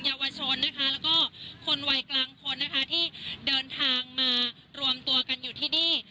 เยาวชนนะคะแล้วก็คนวัยกลางคนนะคะที่เดินทางมารวมตัวกันอยู่ที่นี่